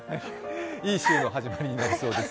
いい週の始まりになりそうです。